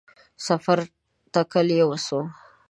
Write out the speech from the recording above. د سفر تکل یې وسو